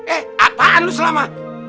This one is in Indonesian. eh apaan lo selama